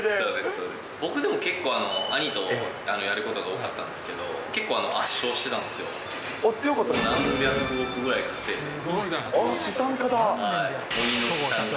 僕、でも結構、兄とやることが多かったんですけど、結構、圧勝してた強かったんですか？